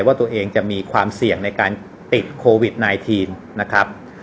ว่าตัวเองจะมีความเสี่ยงในการติดโควิด๑๙นะครับ